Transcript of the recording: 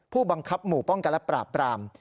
ผู้บังคับหมู่ป้องกันและปราบปราม